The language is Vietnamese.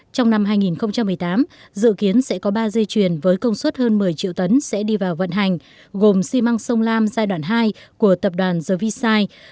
trong năm hai nghìn một mươi tám dự kiến sẽ có ba dây chuyền với công suất hơn một mươi triệu tấn sẽ đi vào vận hành gồm xi măng sông lam giai đoạn hai của tập đoàn the vici